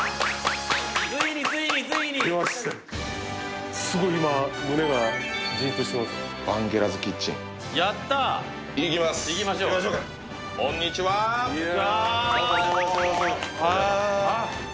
ついについについにすごい今胸がジーンとしてますバンゲラズキッチンやった行きます行きましょうこんにちはいい